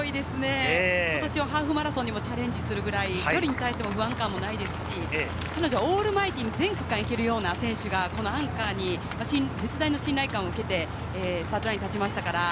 強いですね、ことしはハーフマラソンにもチャレンジするぐらい、不安感はないですし、彼女はオールマイティー、全区間いけるような選手がこのアンカーに絶大な信頼感を受けてスタートラインに立ちましたから。